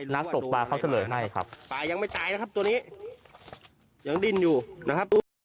ตบปลาเขาเฉลยให้ครับปลายังไม่ตายนะครับตัวนี้ยังดิ้นอยู่นะครับดู